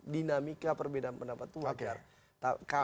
dinamika perbedaan pendapat keluarga